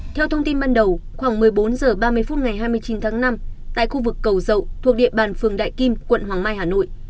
theo thông tin ban đầu khoảng một mươi bốn h ba mươi phút ngày hai mươi chín tháng năm tại khu vực cầu dậu thuộc địa bàn phường đại kim quận hoàng mai hà nội